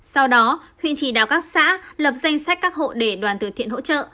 sau đó huyện chỉ đào các xã lập danh sách các hộ để đoàn tự thiện hỗ trợ